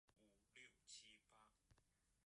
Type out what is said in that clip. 贝尔特奈。